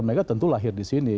mereka tentu lahir di sini